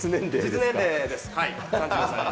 実年齢です。